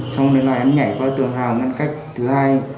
xong rồi lại em nhảy qua tường hào ngăn cách thứ hai